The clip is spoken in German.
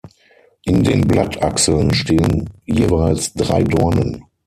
In den Blattachseln stehen jeweils drei Dornen.